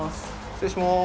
失礼します。